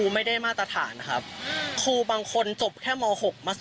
มีมานานมากแล้วค่ะ